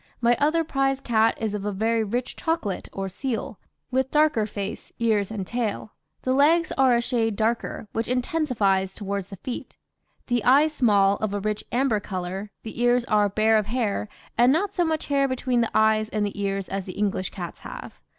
My other prize cat is of a very rich chocolate or seal, with darker face, ears, and tail; the legs are a shade darker, which intensifies towards the feet. The eyes small, of a rich amber colour, the ears are bare of hair, and not so much hair between the eyes and the ears as the English cats have.